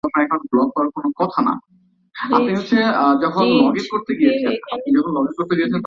রিজভীর এভাবে নিরুদ্দেশ হওয়া নিয়ে গতকাল দিনভর নানা ধরনের আলোচনা হয়।